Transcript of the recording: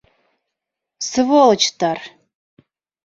Сволочтар!